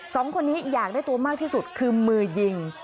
สองคนนี้อยากได้ตัวมากที่สุดคือมือยิง